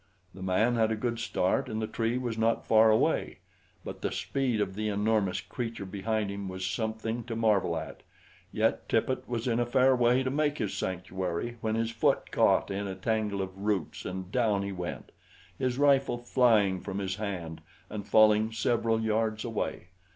The man had a good start and the tree was not far away; but the speed of the enormous creature behind him was something to marvel at, yet Tippet was in a fair way to make his sanctuary when his foot caught in a tangle of roots and down he went, his rifle flying from his hand and falling several yards away.